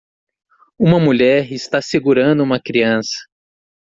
Uma mulher está segurando uma criança